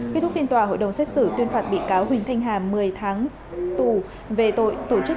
kết thúc phiên tòa hội đồng xét xử tuyên phạt bị cáo huỳnh thanh hà một mươi tháng tù về tội tổ chức